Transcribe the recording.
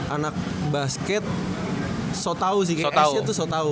anak basket sotau sih kayak s nya tuh sotau